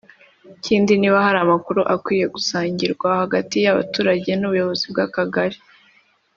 ikindi niba hari amakuru akwiye gusangirwa hagati y’abaturage n‘ubuyobozi bw’Akagari